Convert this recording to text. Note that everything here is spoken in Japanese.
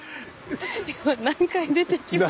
今何回出てきました？